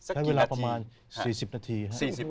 ใช้เวลาประมาณ๔๐นาที